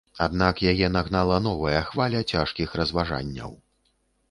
Аднак яе нагнала новая хваля цяжкіх разважанняў.